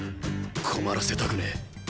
困らせたくねえ。